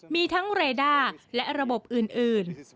มีทั้งเรด้าและระบบอื่น